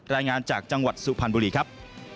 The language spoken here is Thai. รายงานจากจังหวัดสุพรรณบุรีครับ